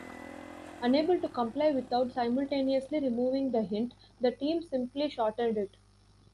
Unable to comply without simultaneously removing the hint, the team simply shortened it.